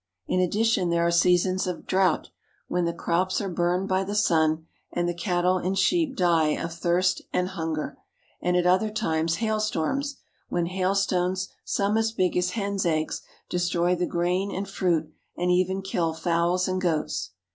In addition [ there are seasons of draught, when the crops are burned I by the sun, and the cattle and sheep die of thirst and , hunger; and at other times hailstorms, when hailstones, 'some as big as hens' eggs, destroy the grain and fruit and |«ven kill fowls and goats.